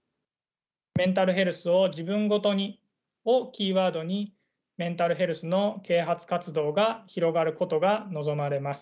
「メンタルヘルスをじぶんごとに」をキーワードにメンタルヘルスの啓発活動が広がることが望まれます。